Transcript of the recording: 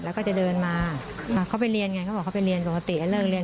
แล้วก็จะเดินมาเขาไปเรียนไงเขาบอกเขาไปเรียนปกติเลิกเรียน